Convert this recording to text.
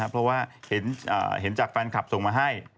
เพราะว่าเห็นจากแฟนคลับส่งมาให้